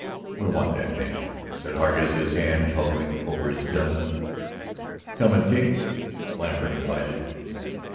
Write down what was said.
"We want that man," said Hargus, his hand hovering over his gun. "Come and take him," Lambert invited.